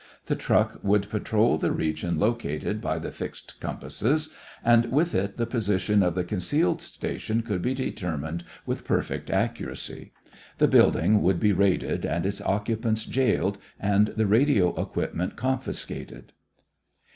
The truck would patrol the region located by the fixed compasses, and with it the position of the concealed station could be determined with perfect accuracy. The building would be raided and its occupants jailed and the radio equipment confiscated.